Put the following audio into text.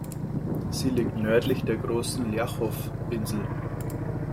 Sie liegt nördlich der Großen Ljachow-Insel.